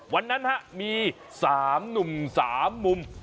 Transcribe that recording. วันนั้นฮะมีสามหนุ่มสามมุม